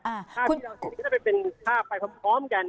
ภาพที่เราคิดว่าจะเป็นภาพไปพร้อมกัน